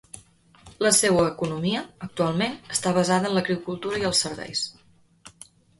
La seua economia, actualment, està basada en l'agricultura i els serveis.